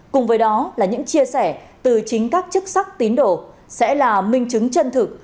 cùng với đó là những chia sẻ từ chính các chức sắc tín đồ sẽ là minh chứng chân thực